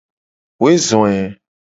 Woe zo e.